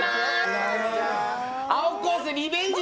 青コース、リベンジ